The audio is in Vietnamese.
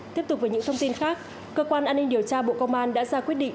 tiếp tục với những thông tin khác cơ quan an ninh điều tra bộ công an đã ra quyết định